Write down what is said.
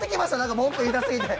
文句言いたすぎて。